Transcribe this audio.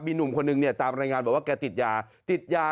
มีหนุ่มคนหนึ่งเนี่ยตามรายงานบอกว่าแกติดยา